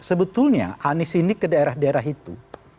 sebetulnya anies ini ke daerah daerah itu